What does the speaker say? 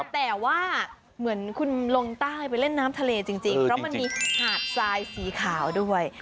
แต่ว่าเหมือนคุณลงใต้ไปเล่นน้ำทะเลจริงเพราะมันมีหาดทรายสีขาวด้วย